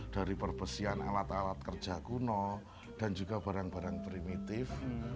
dari perbesian alat alat kerja kuno dan juga barang barang primitif